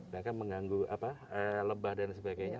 dan mengganggu apa lebah dan sebagainya